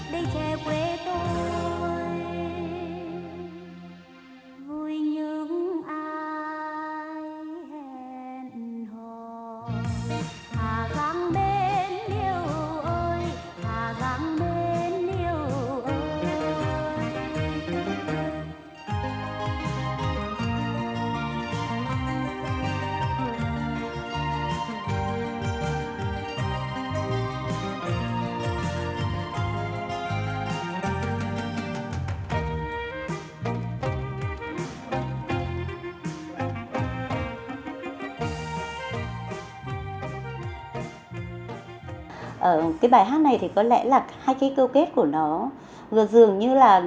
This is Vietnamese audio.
bởi vì là hát cái bài hát đấy thì cứ cảm giác như là